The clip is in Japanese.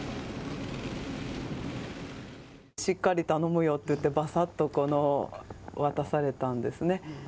しっかり頼むよって、ばさっと、この、渡されたんですね。